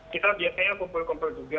kita biasanya kumpul kumpul juga